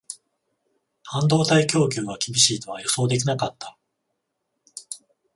半導体供給が厳しいとは予想できなかった